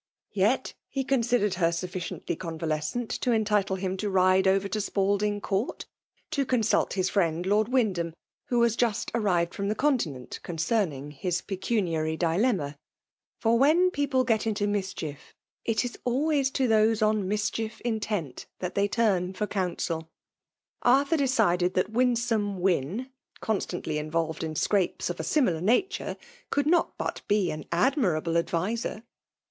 Yet he .considered Jier sufficiently convalescent to entitle him to ride over to Spalding Court, to consult his friend Lord Wyndham, who was just arrived from the oou .ITBMALSDOIflKATKm* 9 tiiient> ocmcerimig his petoniaiy dflemma; for when people get into midcfaiefyit is Wlways to those on nubehief intent that they tarn for counsel* Arthur decided that Winsome Wyn, donltantly ihlrolTed in scrapes of a similar nature^ could not bat bean admirable adviser.